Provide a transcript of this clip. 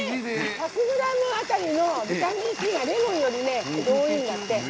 １００ｇ当たりのビタミンＣがレモンより多いんだって。